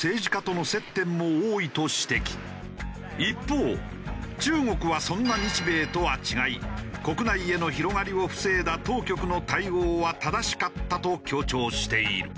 一方中国はそんな日米とは違い国内への広がりを防いだ当局の対応は正しかったと強調している。